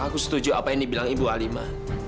aku setuju apa yang dibilang ibu alima